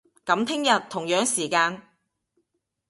噉聽日，同樣時間